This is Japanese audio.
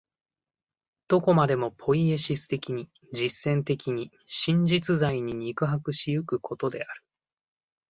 どこまでもポイエシス的に、実践的に、真実在に肉迫し行くことである。